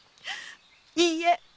いいえ。